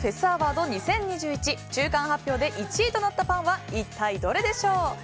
アワード２０２１中間発表で１位となったパンは一体、どれでしょう。